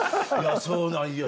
そうなんや。